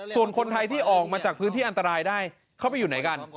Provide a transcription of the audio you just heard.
ส่วนคนไทยที่ออกมาจากพื้นที่อันตรายได้เข้าไปอยู่ไหนกัน